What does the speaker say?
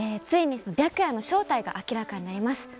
ついに白夜の正体が明らかになります。